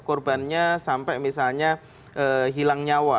korbannya sampai misalnya hilang nyawa